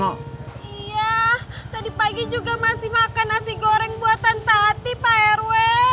iya tadi pagi juga masih makan nasi goreng buatan tati pak rw